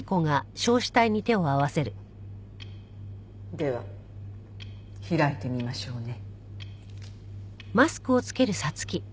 では開いてみましょうね。